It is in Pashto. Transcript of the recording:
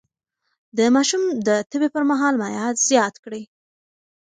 د ماشوم د تبه پر مهال مايعات زيات کړئ.